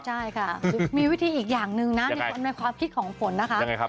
ใช่ค่ะมีวิธีอีกอย่างหนึ่งนะในความคิดของฝนนะคะ